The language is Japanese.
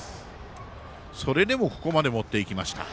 それでもここまで持っていきました。